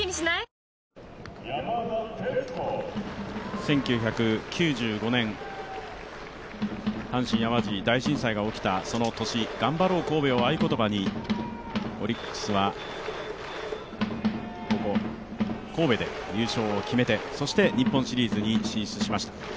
１９９５年、阪神淡路大震災が起きたその年、がんばろう神戸を合い言葉にオリックスはここ神戸で優勝を決めて、日本シリーズに進出しました。